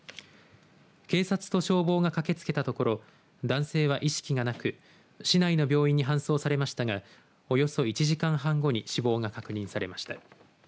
警察と消防が駆けつけたところ男性は意識がなく市内の病院に搬送されましたがおよそ１時間半後に死亡が確認されました。